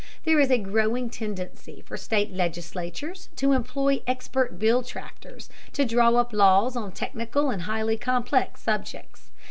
There is a growing tendency for state legislatures to employ expert bill drafters to draw up laws on technical and highly complex subjects.